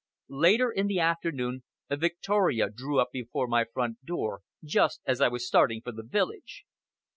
Later in the afternoon a victoria drew up before my front door just as I was starting for the village.